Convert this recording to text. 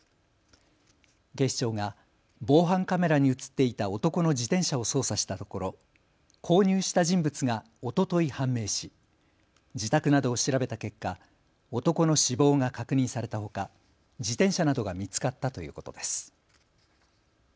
警視庁が防犯カメラに写っていた男の自転車を捜査したところ購入した人物がおととい判明し、自宅などを調べた結果、男の死亡が確認されたほか自転車などが見つかったということです。